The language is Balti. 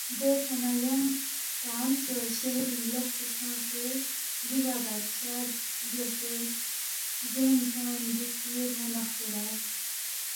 دیکھہ نہ ینگ رام شُور شہرِنگ لوقسے سونگسے دیبا بادشاہ بیاسے زین تھُون٘ین دُوکفی رُونگ نہ خپیرا